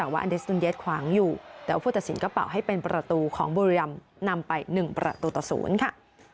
แต่ว่าผู้ตัดสินก็เปล่าให้เป็นประตูของบุริยามนำไป๑ประตูต่อ๐ค่ะ